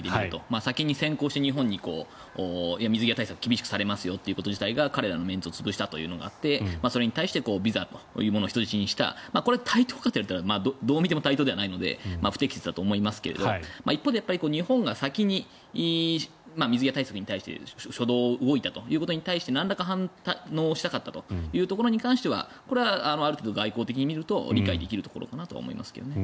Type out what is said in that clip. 先に先行して日本に水際対策を厳しくされますよということ自体が彼らのメンツを潰したというのがあってそれに対してビザというものを人質にしたこれは対等かといわれたらどう見ても対等ではないので不適切だとは思いますが一方で日本が先に水際対策に対して初動を動いたということに対してなんらか反応したかったというところに関してはこれはある程度外交的に見ると理解できるところだと思いますが。